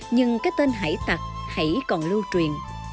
nhưng cái tên hải tạc hãy còn lưu truyền